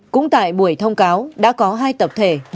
cũng tại buổi thông cáo đã có hai tập thể